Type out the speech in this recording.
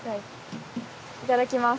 いただきます。